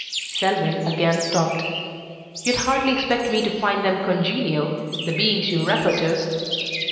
Selwyn again stopped. "You'd hardly expect me to find them congenial the beings you refer to."